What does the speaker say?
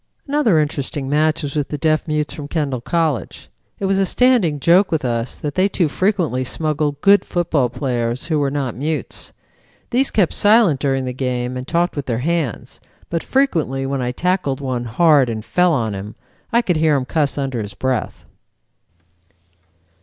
"Another interesting match was with the Deaf Mutes from Kendall College. It was a standing joke with us that they too frequently smuggled good football players who were not mutes. These kept silent during the game and talked with their hands, but frequently when I tackled one hard and fell on him, I could hear him cuss under his breath."